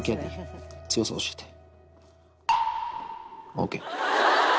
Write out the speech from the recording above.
ＯＫ。